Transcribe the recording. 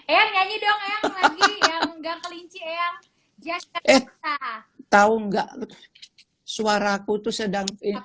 eh ngajaknya dong yang lagi yang nggak kelinci yang jasaduh tahu nggak suara aku tuh sedang ini